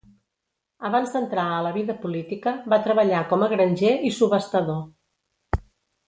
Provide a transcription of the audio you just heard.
Abans d'entrar a la vida política, va treballar com a granger i subhastador.